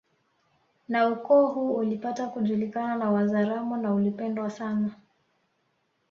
Na ukoo huu ulipata kujulikana na Wazaramo na ulipendwa sana